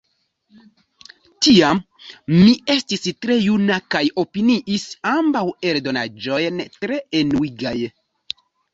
Tiam mi estis tre juna kaj opiniis ambaŭ eldonaĵojn tre enuigaj.